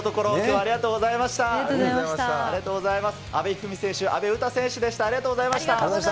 ありがとうございます。